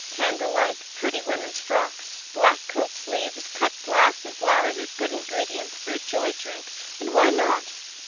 Candle light, pretty women's frocks, black coat sleeves, cut glass and flowers are good ingredients for a joy drink, and why not?